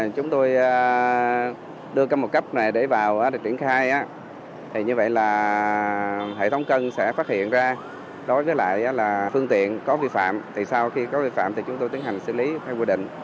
chúng ta đưa các một cấp này để vào để triển khai thì như vậy là hệ thống cân sẽ phát hiện ra đối với lại là phương tiện có vi phạm thì sau khi có vi phạm thì chúng tôi tiến hành xử lý và quy định